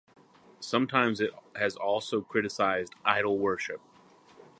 Sometimes it has also criticised Idol worship.